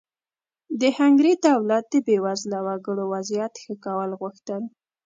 د هنګري دولت د بېوزله وګړو وضعیت ښه کول غوښتل.